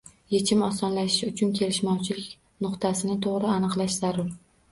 Yechim osonlashishi uchun kelishmovchilik nuqtasini to‘g‘ri aniqlash zarur.